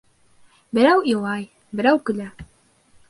Берәү илай, берәү көлә.